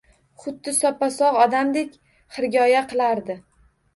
Xuddi soppa-sogʻ odamdek xirgoyi qilardi.